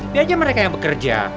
ini aja mereka yang bekerja